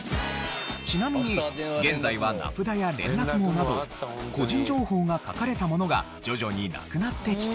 ちなみに現在は名札や連絡網など個人情報が書かれたものが徐々になくなってきており。